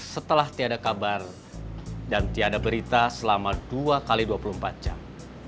setelah tiada kabar dan tiada berita selama dua x dua puluh empat jam